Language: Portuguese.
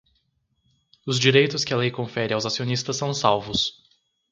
Os direitos que a lei confere aos acionistas são salvos.